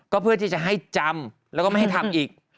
ก็เพื่อที่จะให้จำแล้วก็ไม่ให้ทำอีก